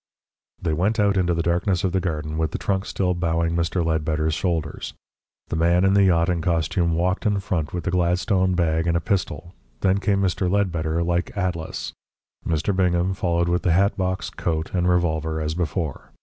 They went out into the darkness of the garden with the trunk still bowing Mr. Ledbetter's shoulders. The man in the yachting costume walked in front with the Gladstone bag and a pistol; then came Mr. Ledbetter like Atlas; Mr. Bingham followed with the hat box, coat, and revolver as before.